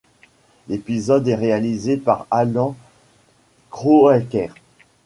L'épisode est réalisé par Allan Kroeker.